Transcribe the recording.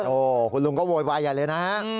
โอ้คุณลุงก็โวยวายอย่างนั้นฮะอืม